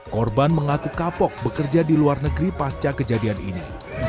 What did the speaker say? korban mengaku kapok bekerja di luar negeri pasca kejadian ini